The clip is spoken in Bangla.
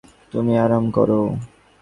তুমি আরাম কর।